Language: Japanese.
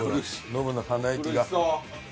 ノブの鼻息が。